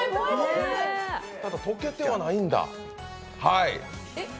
ただ、溶けてはないんだ。